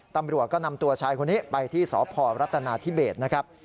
ตำรวจก็นำตัวชายคนนี้ไปที่สพรัฐนาธิเบสนะครับ